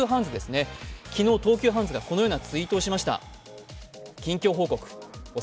昨日、東急ハンズがこのようなツイートをしました。